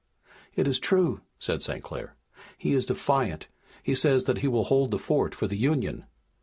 "It is true," said St. Clair. "He is defiant. He says that he will hold the fort for the Union."